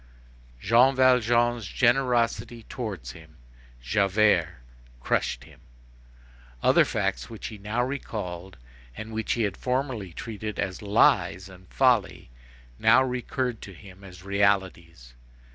Jean Valjean's generosity towards him, Javert, crushed him. Other facts which he now recalled, and which he had formerly treated as lies and folly, now recurred to him as realities.